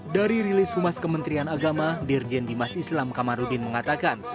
dari rilis humas kementerian agama dirjen dimas islam kamarudin mengatakan